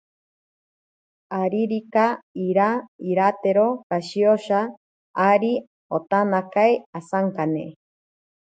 Aririka iira iratero kashiyosa ari atanentakei asankane.